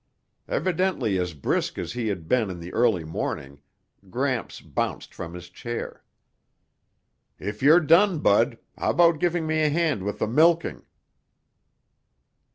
Evidently as brisk as he had been in the early morning, Gramps bounced from his chair. "If you're done, Bud, how 'bout giving me a hand with the milking?"